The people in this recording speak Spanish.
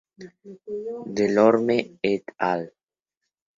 Delorme et al.